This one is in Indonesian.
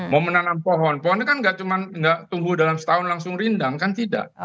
mau menanam pohon pohonnya kan nggak cuma tumbuh dalam setahun langsung rindang kan tidak